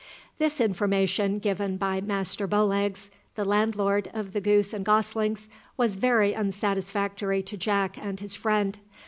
This information given by Master Bowleggs, the landlord of the Goose and Goslings, was very unsatisfactory to Jack and his friend.